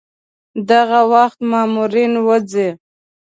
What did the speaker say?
دغه وخت مامورین وځي.